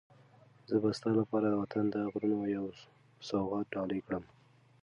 زه به ستا لپاره د وطن د غرونو یو سوغات ډالۍ کړم.